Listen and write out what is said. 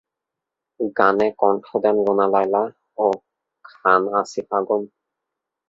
গানে কণ্ঠ দেন রুনা লায়লা ও খান আসিফ আগুন।